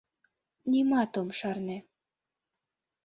Нимат ом шарне.